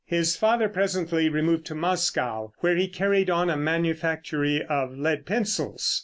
His father presently removed to Moscow, where he carried on a manufactory of lead pencils.